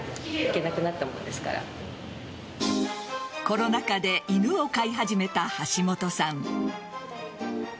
コロナ禍で犬を飼い始めた橋本さん。